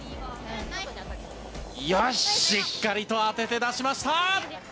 よし、しっかりと当てて出しました！